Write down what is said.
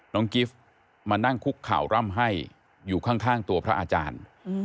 กิฟต์มานั่งคุกเข่าร่ำให้อยู่ข้างตัวพระอาจารย์